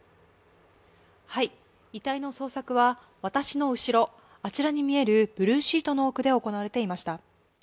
遺体の捜索は私の後ろ、あちらに見えるブルーシートの奥で行われていました。